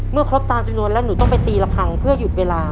เมื่อพบตามจุดนู้นและหนูต้องไปตีระพังเพื่อยุดเวลา